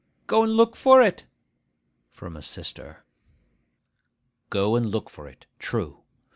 ('Go and look for it,' from a sister.) Go and look for it, true.